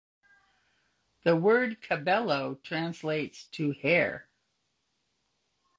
The word 'cabello' translates to 'hair'.